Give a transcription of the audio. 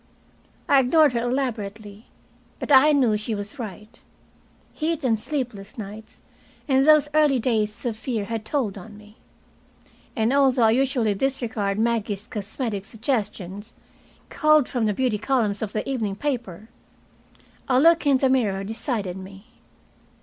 I ignored her elaborately, but I knew she was right. Heat and sleepless nights and those early days of fear had told on me. And although I usually disregard Maggie's cosmetic suggestions, culled from the beauty columns of the evening paper, a look in the mirror decided me.